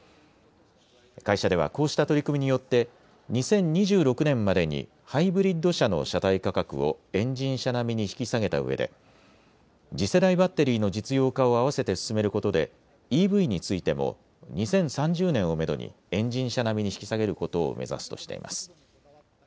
会社では、こうした取り組みによって２０２６年までにハイブリッド車の車体価格をエンジン車並みに引き下げたうえで次世代バッテリーの実用化を併せて進めることでＥＶについても２０３０年をめどにエンジン車並みに引き下げることを目指すとしています。